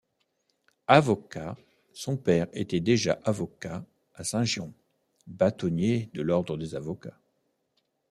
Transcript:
Avocat, son père était déjà avocat à Saint-Girons, bâtonnier de l'ordre des avocats.